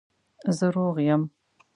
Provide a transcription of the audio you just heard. زه روغ یم